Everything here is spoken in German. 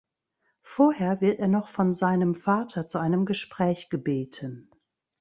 Vorher wird er noch von seinem Vater zu einem Gespräch gebeten.